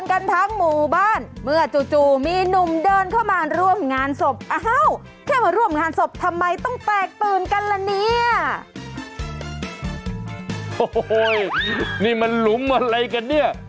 โอ้โหนี่มันหลุมอะไรกันเนี่ย